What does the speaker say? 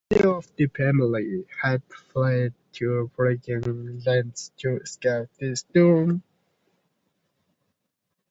Many of the family had fled to foreign lands to escape this doom.